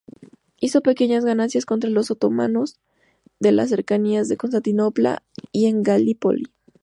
Hizo pequeñas ganancias contra los otomanos en las cercanías de Constantinopla y en Galípoli.